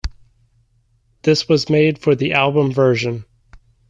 This was made for the album version.